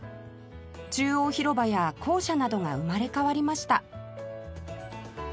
中央広場や校舎などが生まれ変わりました